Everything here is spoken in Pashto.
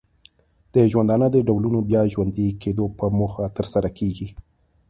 د ژوندانه د ډولونو د بیا ژوندې کیدو په موخه ترسره کیږي.